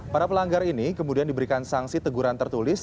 para pelanggar ini kemudian diberikan sanksi teguran tertulis